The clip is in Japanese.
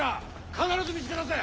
必ず見つけ出せ！